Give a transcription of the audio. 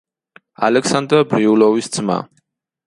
ალექსანდრე ბრიულოვის ძმა.